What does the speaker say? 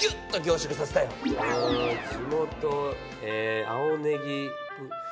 うん地元青ねぎ。